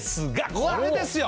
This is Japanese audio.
これですよ。